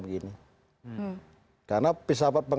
apakah itu kondisinya sekarang